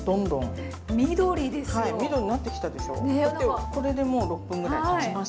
これでもう６分ぐらいたちましたね。